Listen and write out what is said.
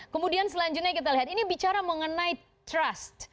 kemudian selanjutnya kita lihat ini bicara mengenai trust